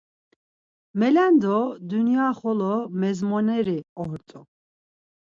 Melendo Dunya xolo mezmoneri ort̆u.